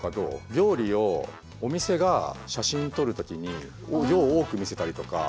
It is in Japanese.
料理をお店が写真撮る時に量を多く見せたりとか。